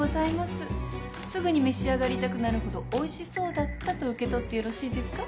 すぐに召し上がりたくなるほどおいしそうだったと受け取ってよろしいですか？